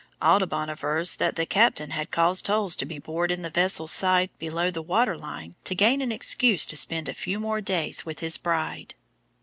Audubon avers that the captain had caused holes to be bored in the vessel's sides below the water line, to gain an excuse to spend a few more days with his bride.